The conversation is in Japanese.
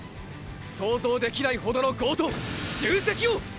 想像できないほどの業と重責を！！